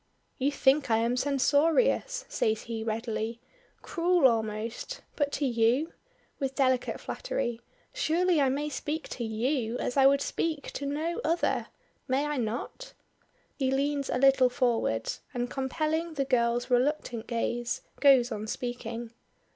"You think I am censorious," says he readily, "cruel almost; but to you" with delicate flattery "surely I may speak to you as I would speak to no other. May I not?" He leans a little forward, and compelling the girl's reluctant gaze, goes on speaking.